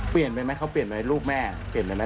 เปลี่ยนไปไหมเขาเปลี่ยนไหมลูกแม่เปลี่ยนไปไหม